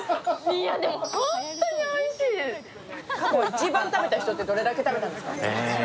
一番食べた人って、どれだけ食べたんですか？